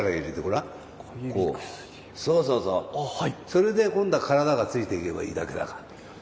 それで今度は体がついていけばいいだけだから。